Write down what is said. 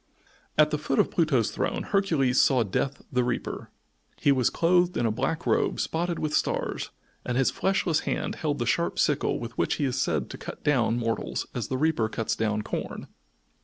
At the foot of Pluto's throne Hercules saw Death the Reaper. He was clothed in a black robe spotted with stars and his fleshless hand held the sharp sickle with which he is said to cut down mortals as the reaper cuts down corn.